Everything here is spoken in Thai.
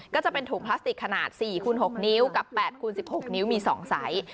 ก็จะเป็นถุงพลาสติกขนาด๔คูณ๖นิ้วกับ๘คูณ๑๖นิ้วมี๒ใส